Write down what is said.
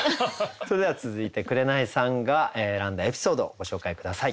それでは続いて紅さんが選んだエピソードをご紹介下さい。